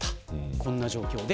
こんな状況です。